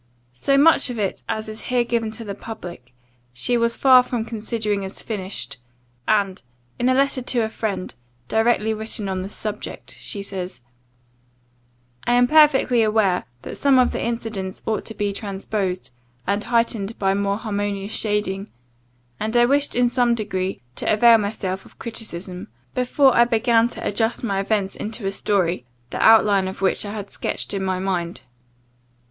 So much of it as is here given to the public, she was far from considering as finished, and, in a letter to a friend directly written on this subject, she says, "I am perfectly aware that some of the incidents ought to be transposed, and heightened by more harmonious shading; and I wished in some degree to avail myself of criticism, before I began to adjust my events into a story, the outline of which I had sketched in my mind."